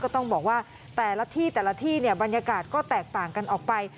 ต้องบอกว่าแต่ละที่แต่ละที่เนี่ยบรรยากาศก็แตกต่างกันออกไป